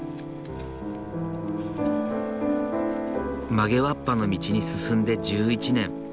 曲げわっぱの道に進んで１１年。